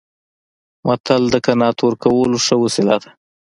متل د قناعت ورکولو ښه وسیله ده